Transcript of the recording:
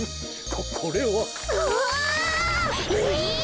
ここれは。うお！え！？